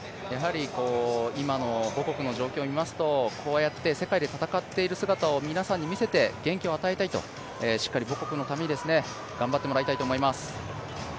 今の母国の状況を見ますと、こうやって世界で戦っている姿を皆さんに見せて元気を与えたいとしっかり母国のために頑張ってもらいたいと思います。